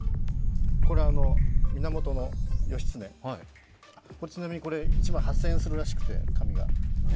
これ源義経、ちなみにこれ１枚８０００円するらしくて、紙が。